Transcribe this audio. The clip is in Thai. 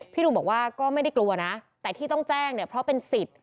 หนุ่มบอกว่าก็ไม่ได้กลัวนะแต่ที่ต้องแจ้งเนี่ยเพราะเป็นสิทธิ์